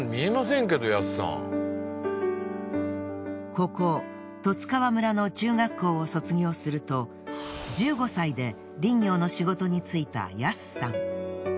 ここ十津川村の中学校を卒業すると１５歳で林業の仕事に就いたヤスさん。